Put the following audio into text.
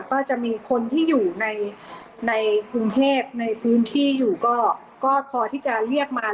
ก็จะมีคนที่อยู่ในกรุงเทพในพื้นที่อยู่ก็พอที่จะเรียกมา